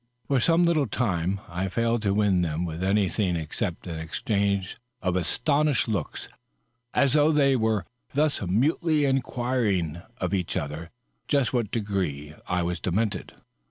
For some little time I failed to win from them anything except an exchange of astonished looks, as though they were thus mutely inquiring of each other just to what degree I was demented.